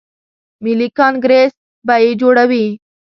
ملي کانګریس به یې جوړوي.